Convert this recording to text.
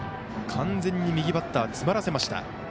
完全に右バッター詰まらせました。